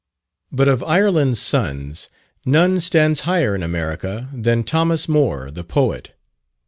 But of Ireland's sons, none stands higher in America than Thomas Moore, the Poet.